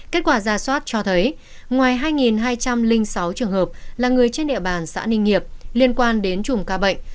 kết quả ra soát cho thấy ngoài hai hai trăm linh sáu trường hợp là người trên địa bàn xã ninh nghiệp liên quan đến chùm ca bệnh